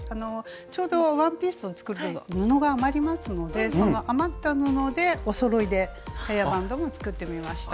ちょうどワンピースを作ると布が余りますのでその余った布でおそろいでヘアバンドも作ってみました。